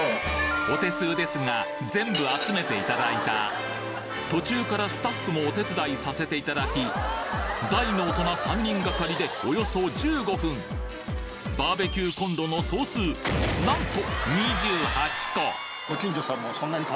お手数ですが全部集めていただいた途中からスタッフもお手伝いさせていただき大の大人３人がかりでおよそ１５分バーベキューコンロの総数何と！